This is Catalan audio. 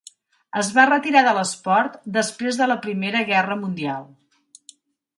Es va retirar de l'esport després de la Primera Guerra Mundial.